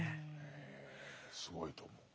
すごいと思う。